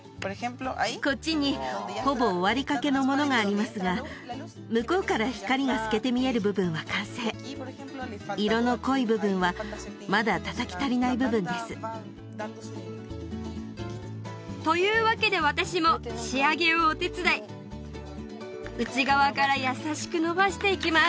こっちにほぼ終わりかけのものがありますが向こうから光が透けて見える部分は完成色の濃い部分はまだ叩き足りない部分ですというわけで私も仕上げをお手伝い内側から優しくのばしていきます